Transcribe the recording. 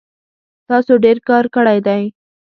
تاسو ډیر کار کړی دی